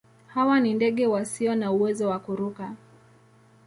Hawa ni ndege wasio na uwezo wa kuruka.